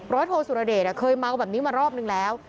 โทสุรเดชเคยเมาแบบนี้มารอบนึงแล้ว